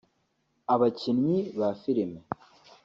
abakinnyi ba filime